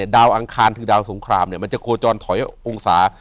อังคารคือดาวสงครามมันจะโคจรถอยองศา